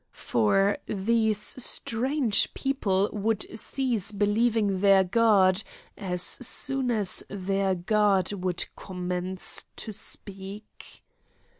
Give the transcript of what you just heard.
For these strange people would cease believing their God as soon as their God would commence to speak.